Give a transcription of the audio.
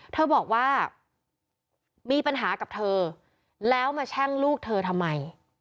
เธอบอกว่ามีปัญหากับเธอแล้วมาแช่งลูกเธอทำไม